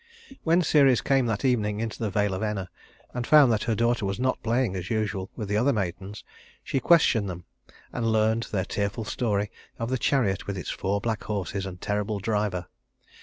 When Ceres came that evening into the vale of Enna and found that her daughter was not playing as usual with the other maidens, she questioned them, and learned their tearful story of the chariot with its four black horses and terrible driver.